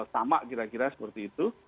sama kira kira seperti itu